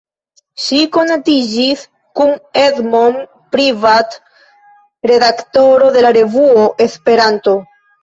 Ŝi konatiĝis kun Edmond Privat, redaktoro de la revuo "Esperanto".